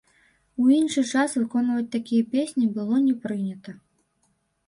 У іншы час выконваць такія песні было не прынята.